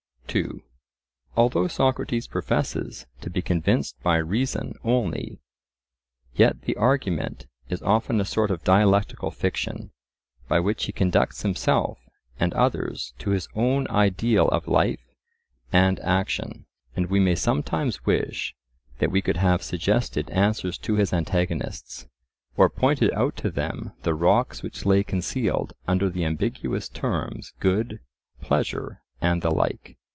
(2) Although Socrates professes to be convinced by reason only, yet the argument is often a sort of dialectical fiction, by which he conducts himself and others to his own ideal of life and action. And we may sometimes wish that we could have suggested answers to his antagonists, or pointed out to them the rocks which lay concealed under the ambiguous terms good, pleasure, and the like.